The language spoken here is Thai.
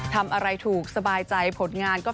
ทำอะไรถูกสบายใจผลงานก็